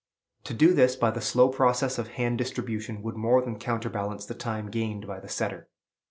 To do this by the slow process of hand distribution would more than counterbalance the time gained by the setter.